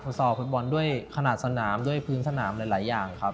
ซอลฟุตบอลด้วยขนาดสนามด้วยพื้นสนามหลายอย่างครับ